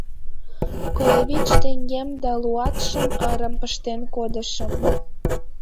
Коло вич теҥгем да луатшым ырым пыштен кодышым.